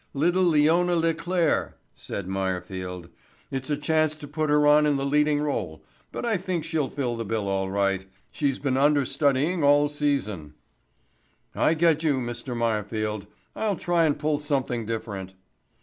"Little Leona LeClaire," said Meyerfield. "It's a chance to put her on in the leading role, but I think she'll fill the bill all right. She's been under studying all season." "I get you, Mr. Meyerfield. I'll try and pull something different."